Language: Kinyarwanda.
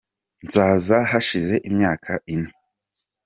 Nzaza hashize imyaka ine.